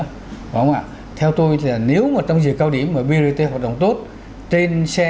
phải không ạ theo tôi là nếu mà trong giờ cao điểm mà brt hoạt động tốt trên xe